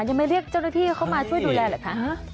ยังไม่เรียกเจ้าหน้าที่เข้ามาช่วยดูแลเหรอคะ